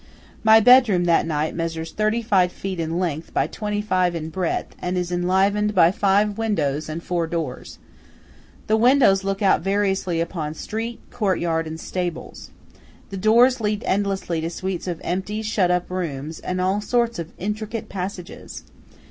My bedroom that night measures about thirty five feet in length by twenty five in breadth, and is enlivened by five windows and four doors. The windows look out variously upon street, courtyard, and stables. The doors lead to endless suites of empty, shut up rooms, and all sorts of intricate passages.